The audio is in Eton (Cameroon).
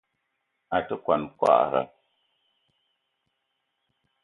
A te kwuan kwagra.